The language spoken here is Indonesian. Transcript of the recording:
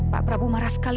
pak prabowo marah sekali